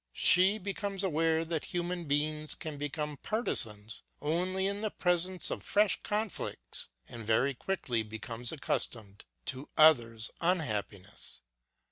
She becomes aware that human beings can become partisans only in the presence of fresh conflicts and very quickly become accustomed to others' unhappiness.